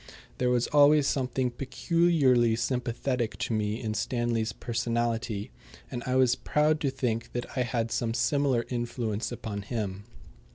There was always something peculiarly sympathetic to me in Stanley's personality; and I was proud to think that I had some similar influence upon him.